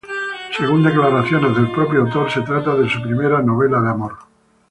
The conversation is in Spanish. Según declaraciones del propio autor, se trata de su primera novela de amor.